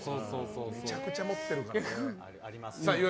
めちゃくちゃ持ってるからね。